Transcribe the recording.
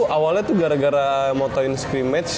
awalnya tuh gara gara motoin skimage